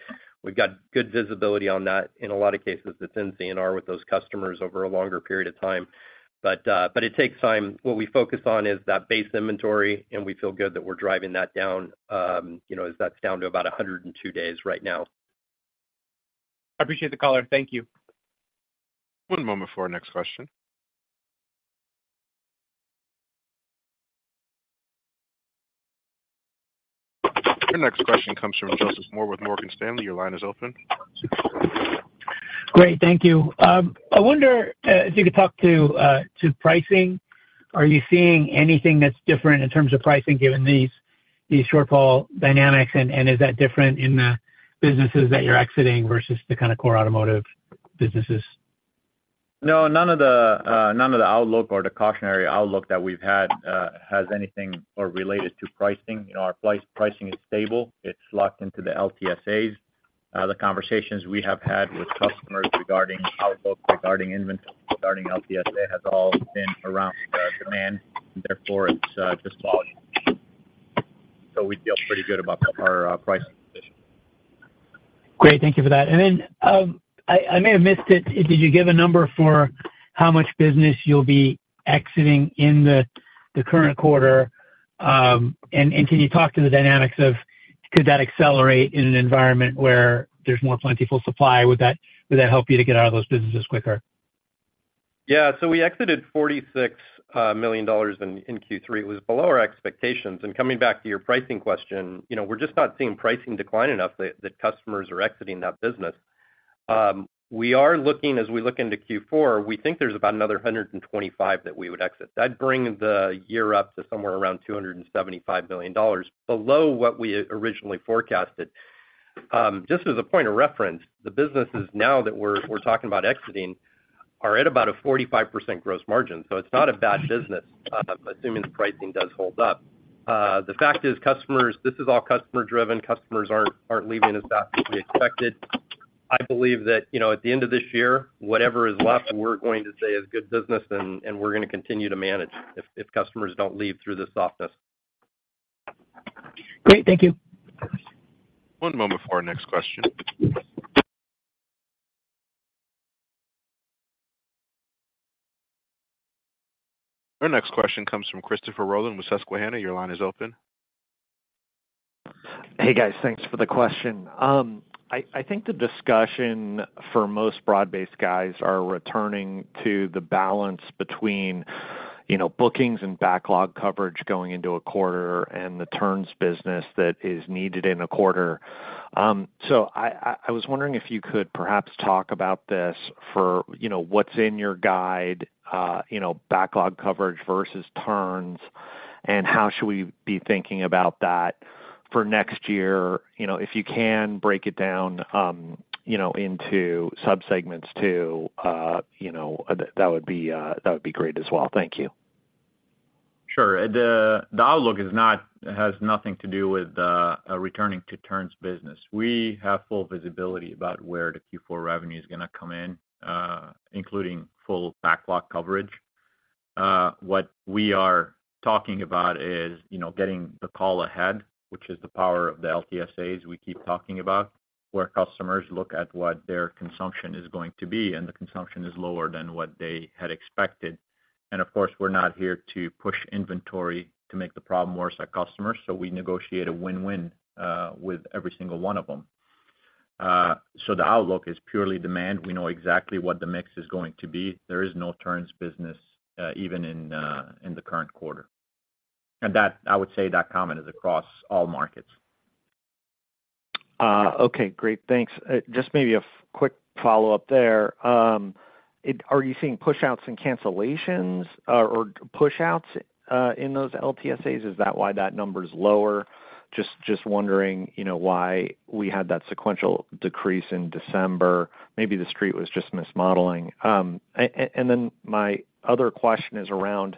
we've got good visibility on that. In a lot of cases, it's in NCNR with those customers over a longer period of time. But it takes time. What we focus on is that base inventory, and we feel good that we're driving that down, you know, as that's down to about 102 days right now. I appreciate the color. Thank you. One moment for our next question. Your next question comes from Joseph Moore with Morgan Stanley. Your line is open. Great. Thank you. I wonder if you could talk to pricing. Are you seeing anything that's different in terms of pricing, given these shortfall dynamics? And is that different in the businesses that you're exiting versus the kind of core automotive businesses? No, none of the, none of the outlook or the cautionary outlook that we've had, has anything or related to pricing. You know, our price- pricing is stable. It's locked into the LTSAs. The conversations we have had with customers regarding outlook, regarding inventory, regarding LTSA, has all been around, demand, therefore it's, just volume. So we feel pretty good about our, pricing position. Great. Thank you for that. And then, I may have missed it. Did you give a number for how much business you'll be exiting in the current quarter? And can you talk to the dynamics of could that accelerate in an environment where there's more plentiful supply? Would that help you to get out of those businesses quicker? Yeah. So we exited $46 million in Q3. It was below our expectations. Coming back to your pricing question, you know, we're just not seeing pricing decline enough that customers are exiting that business. We are looking as we look into Q4, we think there's about another $125 million that we would exit. That'd bring the year up to somewhere around $275 million, below what we originally forecasted. Just as a point of reference, the businesses now that we're talking about exiting are at about a 45% gross margin, so it's not a bad business, assuming the pricing does hold up. The fact is, customers, this is all customer-driven. Customers aren't leaving as fast as we expected. I believe that, you know, at the end of this year, whatever is left, we're going to say is good business, and we're going to continue to manage if customers don't leave through the softness. Great. Thank you. One moment before our next question. Our next question comes from Christopher Rolland with Susquehanna. Your line is open. Hey, guys. Thanks for the question. I think the discussion for most broad-based guys are returning to the balance between, you know, bookings and backlog coverage going into a quarter and the turns business that is needed in a quarter. So I was wondering if you could perhaps talk about this for, you know, what's in your guide, you know, backlog coverage versus turns... And how should we be thinking about that for next year? You know, if you can break it down, you know, into subsegments too, you know, that would be great as well. Thank you. Sure. The outlook has nothing to do with the returning to turns business. We have full visibility about where the Q4 revenue is going to come in, including full backlog coverage. What we are talking about is, you know, getting the call ahead, which is the power of the LTSAs we keep talking about, where customers look at what their consumption is going to be, and the consumption is lower than what they had expected. And of course, we're not here to push inventory to make the problem worse for our customers, so we negotiate a win-win with every single one of them. So the outlook is purely demand. We know exactly what the mix is going to be. There is no turns business, even in the current quarter. That, I would say that comment is across all markets. Okay, great. Thanks. Just maybe a quick follow-up there. Are you seeing pushouts and cancellations or pushouts in those LTSAs? Is that why that number is lower? Just wondering, you know, why we had that sequential decrease in December. Maybe the street was just mismodeling. And then my other question is around,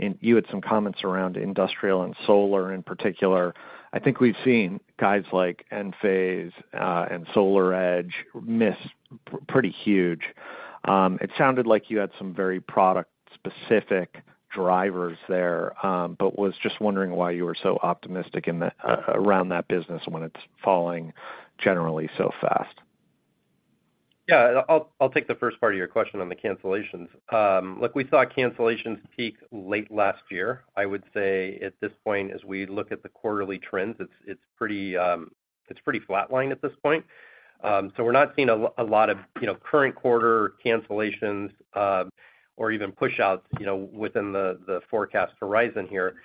and you had some comments around industrial and solar in particular. I think we've seen guys like Enphase and SolarEdge miss pretty huge. It sounded like you had some very product-specific drivers there, but was just wondering why you were so optimistic in the around that business when it's falling generally so fast. Yeah, I'll take the first part of your question on the cancellations. Look, we saw cancellations peak late last year. I would say at this point, as we look at the quarterly trends, it's pretty flatlined at this point. So we're not seeing a lot of, you know, current quarter cancellations, or even pushouts, you know, within the forecast horizon here.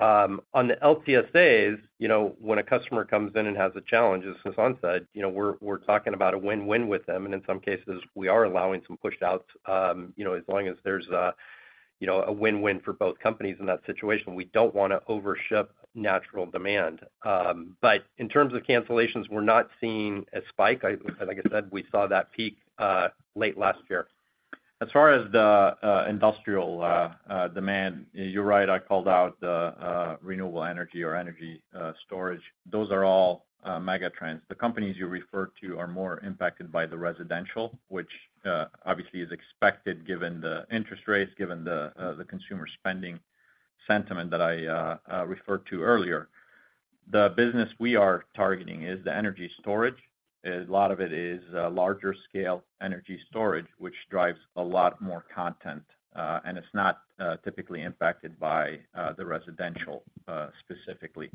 On the LTSAs, you know, when a customer comes in and has a challenge, as Hassane said, you know, we're talking about a win-win with them, and in some cases, we are allowing some pushouts, you know, as long as there's a win-win for both companies in that situation. We don't want to overship natural demand. But in terms of cancellations, we're not seeing a spike. I, like I said, we saw that peak late last year. As far as the industrial demand, you're right, I called out the renewable energy or energy storage. Those are all megatrends. The companies you refer to are more impacted by the residential, which obviously is expected given the interest rates, given the consumer spending sentiment that I referred to earlier. The business we are targeting is the energy storage. A lot of it is larger scale energy storage, which drives a lot more content, and it's not typically impacted by the residential specifically.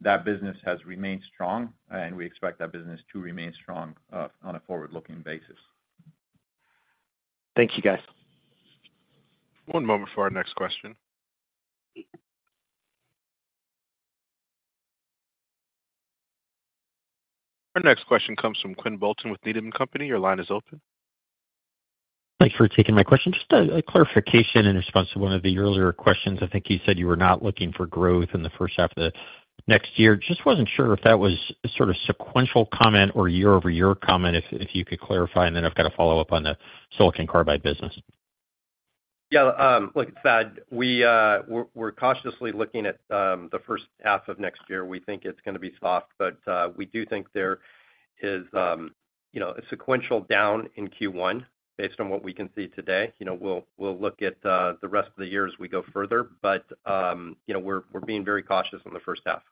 That business has remained strong, and we expect that business to remain strong on a forward-looking basis. Thank you, guys. One moment for our next question. Our next question comes from Quinn Bolton with Needham and Company. Your line is open. Thanks for taking my question. Just a clarification in response to one of the earlier questions. I think you said you were not looking for growth in the first half of the next year. Just wasn't sure if that was a sort of sequential comment or year-over-year comment, if you could clarify, and then I've got a follow-up on the silicon carbide business. Yeah, like I said, we're cautiously looking at the first half of next year. We think it's going to be soft, but we do think there is, you know, a sequential down in Q1 based on what we can see today. You know, we'll look at the rest of the year as we go further, but you know, we're being very cautious on the first half.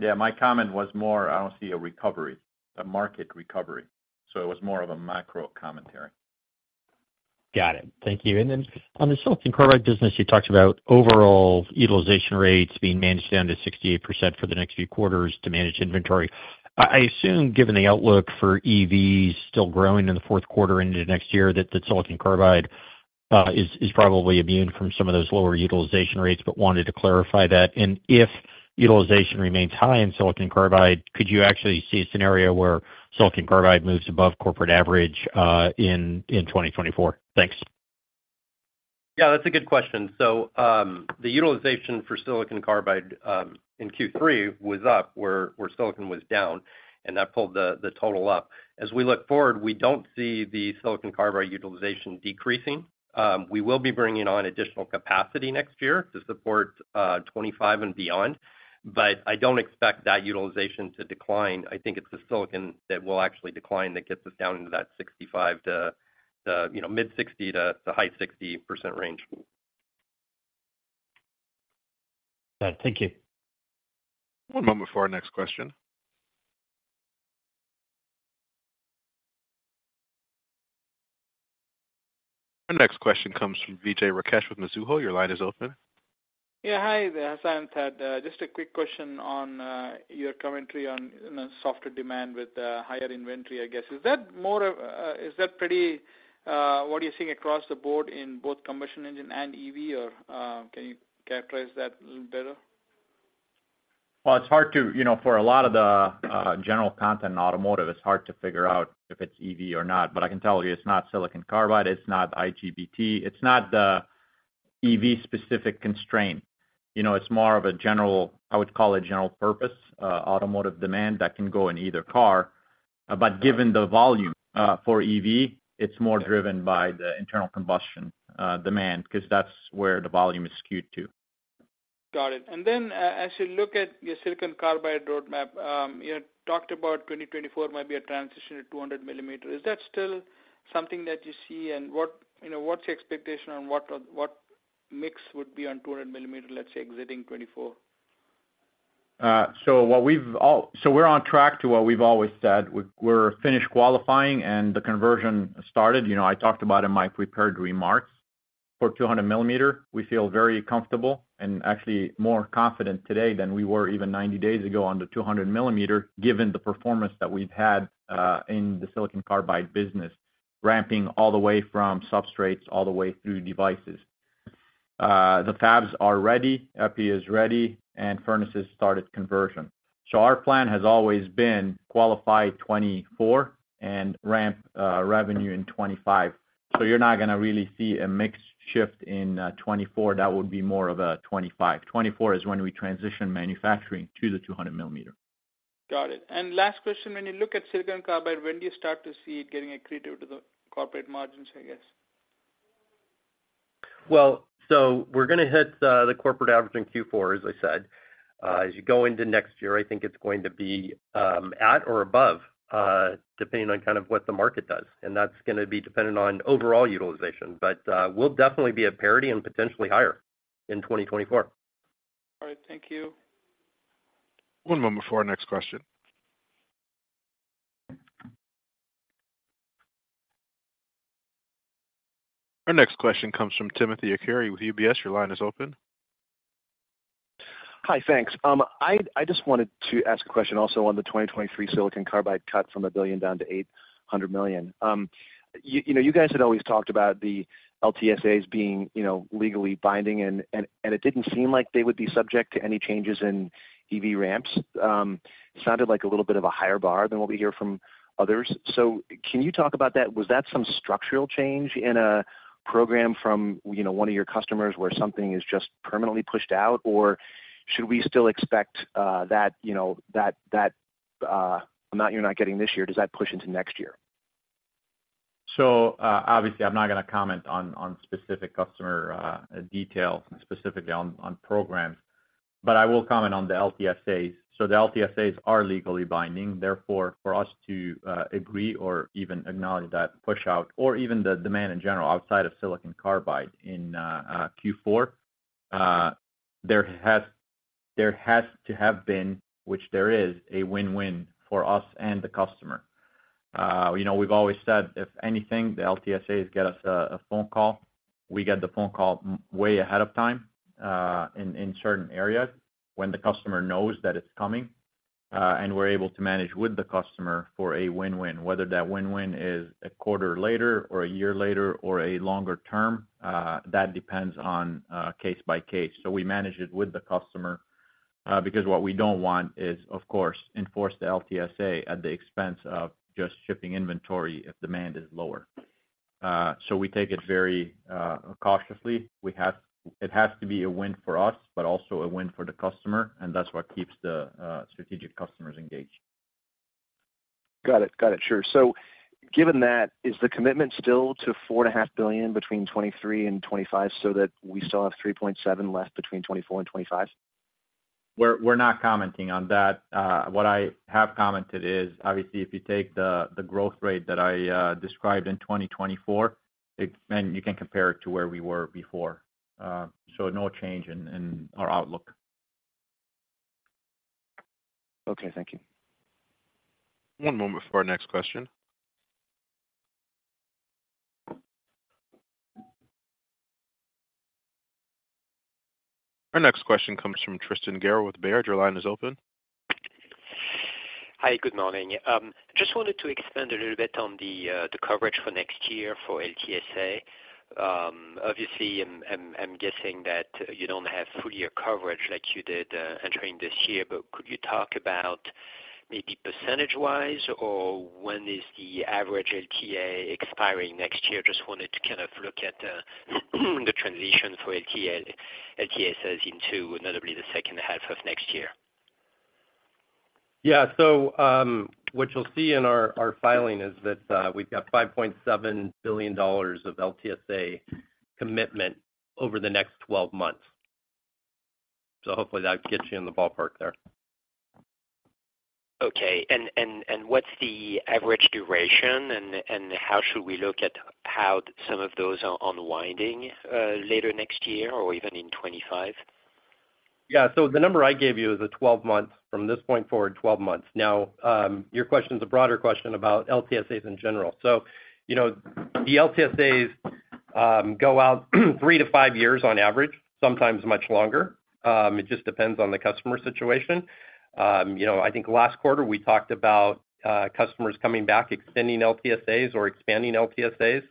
Yeah, my comment was more, I don't see a recovery, a market recovery, so it was more of a macro commentary. Got it. Thank you. And then on the silicon carbide business, you talked about overall utilization rates being managed down to 68% for the next few quarters to manage inventory. I assume, given the outlook for EVs still growing in the fourth quarter into next year, that the silicon carbide is probably immune from some of those lower utilization rates, but wanted to clarify that. And if utilization remains high in silicon carbide, could you actually see a scenario where silicon carbide moves above corporate average in 2024? Thanks. Yeah, that's a good question. So, the utilization for silicon carbide in Q3 was up, where silicon was down, and that pulled the total up. As we look forward, we don't see the silicon carbide utilization decreasing. We will be bringing on additional capacity next year to support 2025 and beyond, but I don't expect that utilization to decline. I think it's the silicon that will actually decline, that gets us down into that 65% to, you know, mid-60% to high 60% range. Good. Thank you. One moment for our next question. Our next question comes from Vijay Rakesh with Mizuho. Your line is open. Yeah. Hi there, Hassane, Thad. Just a quick question on your commentary on, you know, softer demand with higher inventory, I guess. Is that more of a, is that pretty, what are you seeing across the board in both combustion engine and EV, or can you characterize that a little better? Well, it's hard to, you know, for a lot of the general content in automotive, it's hard to figure out if it's EV or not. But I can tell you it's not silicon carbide, it's not IGBT, it's not the EV specific constraint. You know, it's more of a general, I would call it general purpose automotive demand that can go in either car. But given the volume for EV, it's more driven by the internal combustion demand, because that's where the volume is skewed to. Got it. And then, as you look at your silicon carbide roadmap, you had talked about 2024 might be a transition at 200 millimeter. Is that still something that you see? And what, you know, what's your expectation on what are- what mix would be on 200 millimeter, let's say, exiting 2024? So what we've all so we're on track to what we've always said. We're finished qualifying, and the conversion started. You know, I talked about in my prepared remarks, for 200 millimeter, we feel very comfortable and actually more confident today than we were even 90 days ago on the 200 millimeter, given the performance that we've had, uh, in the silicon carbide business, ramping all the way from substrates all the way through devices. The fabs are ready, epi is ready, and furnaces started conversion. So our plan has always been qualify 2024 and ramp revenue in 2025. So you're not gonna really see a mix shift in 2024. That would be more of a 2025. 2024 is when we transition manufacturing to the 200 millimeter. Got it. Last question, when you look at silicon carbide, when do you start to see it getting accretive to the corporate margins, I guess? Well, so we're gonna hit the corporate average in Q4, as I said. As you go into next year, I think it's going to be at or above, depending on kind of what the market does, and that's gonna be dependent on overall utilization. But we'll definitely be at parity and potentially higher in 2024. All right, thank you. One moment before our next question. Our next question comes from Timothy Arcuri with UBS. Your line is open. Hi, thanks. I just wanted to ask a question also on the 2023 silicon carbide cut from $1 billion down to $800 million. You know, you guys had always talked about the LTSAs being, you know, legally binding, and it didn't seem like they would be subject to any changes in EV ramps. Sounded like a little bit of a higher bar than what we hear from others. So can you talk about that? Was that some structural change in a program from, you know, one of your customers, where something is just permanently pushed out? Or should we still expect that, you know, that amount you're not getting this year, does that push into next year? So, obviously, I'm not gonna comment on, on specific customer details, specifically on, on programs, but I will comment on the LTSAs. So the LTSAs are legally binding. Therefore, for us to agree or even acknowledge that pushout, or even the demand in general outside of silicon carbide in Q4, there has, there has to have been, which there is, a win-win for us and the customer. You know, we've always said, if anything, the LTSAs get us a phone call. We get the phone call much way ahead of time, in, in certain areas when the customer knows that it's coming, and we're able to manage with the customer for a win-win. Whether that win-win is a quarter later or a year later or a longer term, that depends on case by case. So we manage it with the customer, because what we don't want is, of course, enforce the LTSA at the expense of just shipping inventory if demand is lower. So we take it very cautiously. It has to be a win for us, but also a win for the customer, and that's what keeps the strategic customers engaged. Got it. Got it, sure. So given that, is the commitment still to $4.5 billion between 2023 and 2025, so that we still have $3.7 billion left between 2024 and 2025? We're not commenting on that. What I have commented is, obviously, if you take the growth rate that I described in 2024, it, and you can compare it to where we were before. So no change in our outlook. Okay, thank you. One moment for our next question. Our next question comes from Tristan Gerra with Baird. Your line is open. Hi, good morning. Just wanted to expand a little bit on the coverage for next year for LTSA. Obviously, I'm guessing that you don't have full year coverage like you did entering this year, but could you talk about maybe percentage-wise, or when is the average LTA expiring next year? Just wanted to kind of look at the transition for LTA-LTSAs into notably the second half of next year. Yeah. So, what you'll see in our filing is that we've got $5.7 billion of LTSA commitment over the next 12 months. So hopefully that gets you in the ballpark there. Okay. And what's the average duration, and how should we look at how some of those are unwinding later next year or even in 2025? Yeah. So the number I gave you is a 12 months, from this point forward, 12 months. Now, your question is a broader question about LTSAs in general. So, you know, the LTSAs go out three to five years on average, sometimes much longer. It just depends on the customer situation. You know, I think last quarter we talked about, customers coming back, extending LTSAs or expanding LTSAs.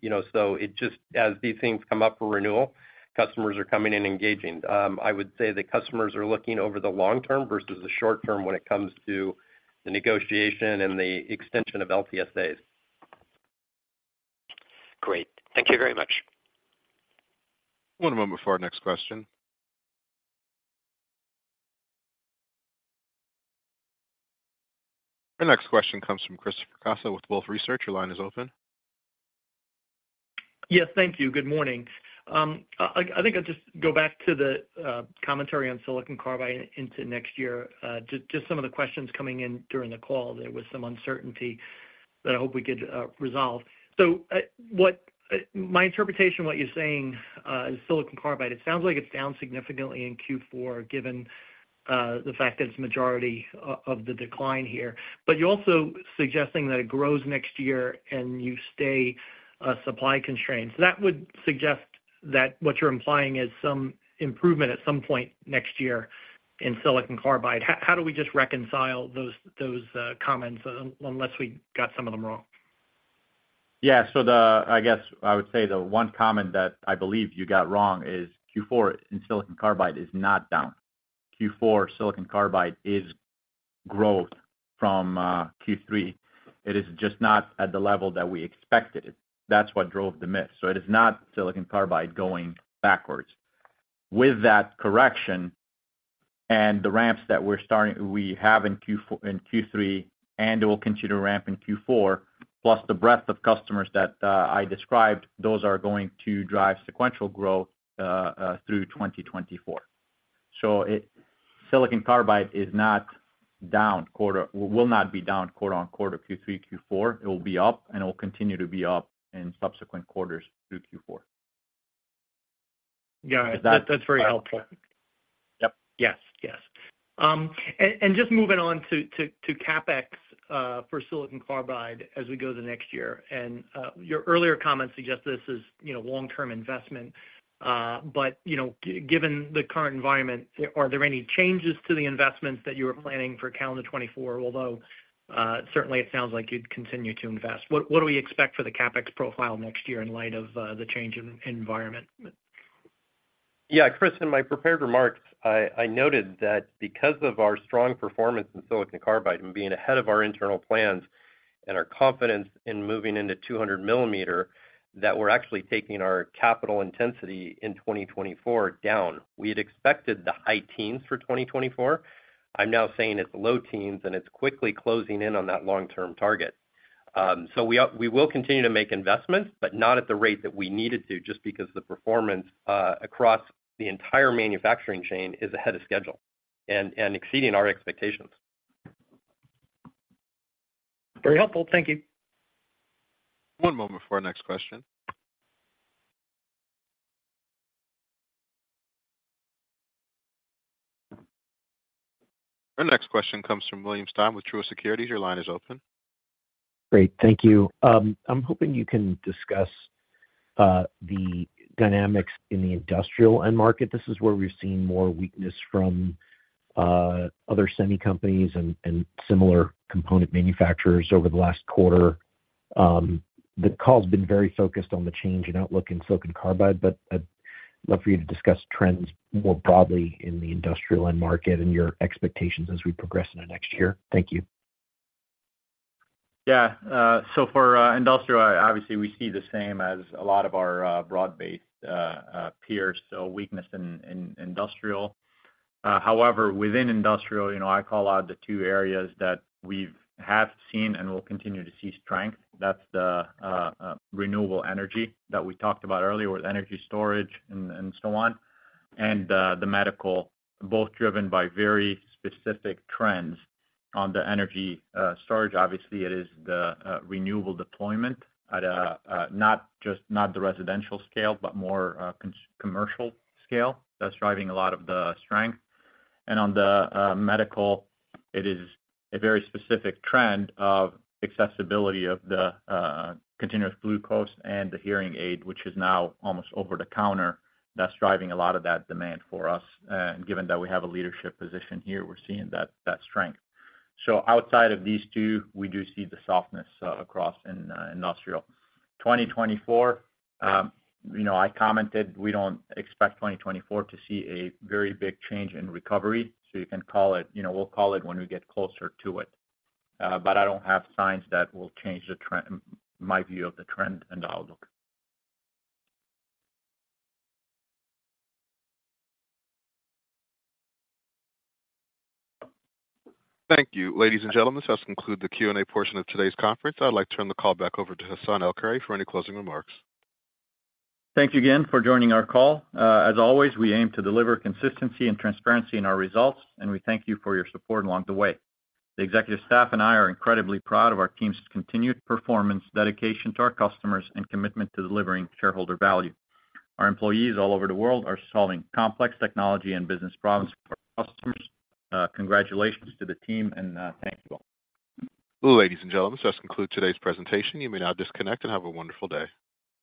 You know, so it just as these things come up for renewal, customers are coming in and engaging. I would say the customers are looking over the long term versus the short term when it comes to the negotiation and the extension of LTSAs. Great. Thank you very much. One moment before our next question. Our next question comes from Christopher Caso with Wolfe Research. Your line is open. Yes, thank you. Good morning. I think I'll just go back to the commentary on silicon carbide into next year. Just, just some of the questions coming in during the call, there was some uncertainty that I hope we could resolve. So, what my interpretation of what you're saying is silicon carbide. It sounds like it's down significantly in Q4, given the fact that it's majority of the decline here. But you're also suggesting that it grows next year, and you stay supply constrained. So that would suggest that what you're implying is some improvement at some point next year in silicon carbide. How do we just reconcile those, those comments, unless we got some of them wrong? Yeah. So I guess I would say the one comment that I believe you got wrong is Q4 in silicon carbide is not down. Q4, silicon carbide is growth from Q3. It is just not at the level that we expected. That's what drove the miss. So it is not silicon carbide going backwards. With that correction and the ramps that we're starting we have in Q3, and it will continue to ramp in Q4, plus the breadth of customers that I described, those are going to drive sequential growth through 2024. So silicon carbide will not be down quarter on quarter, Q3, Q4. It will be up, and it will continue to be up in subsequent quarters through Q4. Got it. That- That's very helpful. Yep. Yes, yes. And just moving on to CapEx for silicon carbide as we go to the next year, and your earlier comments suggest this is, you know, long-term investment, but, you know, given the current environment, are there any changes to the investments that you were planning for calendar 2024? Although, certainly it sounds like you'd continue to invest. What do we expect for the CapEx profile next year in light of the change in environment? Yeah, Christopher, in my prepared remarks, I noted that because of our strong performance in silicon carbide and being ahead of our internal plans and our confidence in moving into 200 millimeter, that we're actually taking our capital intensity in 2024 down. We had expected the high teens for 2024. I'm now saying it's low teens, and it's quickly closing in on that long-term target. So we will continue to make investments, but not at the rate that we needed to, just because the performance across the entire manufacturing chain is ahead of schedule and exceeding our expectations. Very helpful. Thank you. One moment before our next question. Our next question comes from William Stein with Truist Securities. Your line is open. Great, thank you. I'm hoping you can discuss the dynamics in the industrial end market. This is where we've seen more weakness from other semi companies and similar component manufacturers over the last quarter. The call has been very focused on the change in outlook in silicon carbide, but I'd love for you to discuss trends more broadly in the industrial end market and your expectations as we progress into next year. Thank you. Yeah. So for industrial, obviously, we see the same as a lot of our broad-based peers, so weakness in industrial. However, within industrial, you know, I call out the two areas that we've seen and will continue to see strength. That's the renewable energy that we talked about earlier with energy storage and so on, and the medical, both driven by very specific trends. On the energy storage, obviously, it is the renewable deployment at a not just, not the residential scale, but more commercial scale. That's driving a lot of the strength. And on the medical, it is a very specific trend of accessibility of the continuous glucose and the hearing aid, which is now almost over the counter. That's driving a lot of that demand for us. Given that we have a leadership position here, we're seeing that, that strength. Outside of these two, we do see the softness across in industrial. 2024, you know, I commented we don't expect 2024 to see a very big change in recovery, so you can call it, you know, we'll call it when we get closer to it. But I don't have signs that will change the trend, my view of the trend and the outlook. Thank you. Ladies and gentlemen, this does conclude the Q&A portion of today's conference. I'd like to turn the call back over to Hassane El-Khoury for any closing remarks. Thank you again for joining our call. As always, we aim to deliver consistency and transparency in our results, and we thank you for your support along the way. The executive staff and I are incredibly proud of our team's continued performance, dedication to our customers, and commitment to delivering shareholder value. Our employees all over the world are solving complex technology and business problems for our customers. Congratulations to the team, and thank you all. Ladies and gentlemen, this concludes today's presentation. You may now disconnect and have a wonderful day.